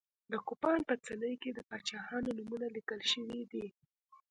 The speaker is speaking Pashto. د کوپان په څلي کې د پاچاهانو نومونه لیکل شوي دي.